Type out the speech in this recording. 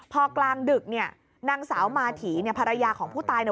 พอกลางดึกนางสาวมาถีภรรยาของผู้ตาย